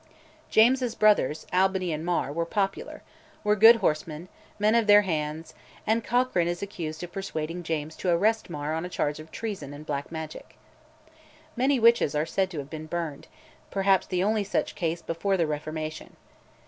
James's brothers Albany and Mar were popular; were good horsemen, men of their hands, and Cochrane is accused of persuading James to arrest Mar on a charge of treason and black magic. Many witches are said to have been burned: perhaps the only such case before the Reformation.